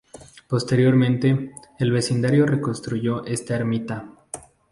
Posteriormente, el vecindario reconstruyó esta ermita.